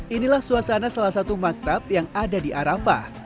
inilah suasana salah satu maktab yang ada di arafah